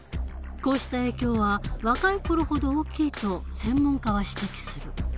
こうした影響は若い頃ほど大きいと専門家は指摘する。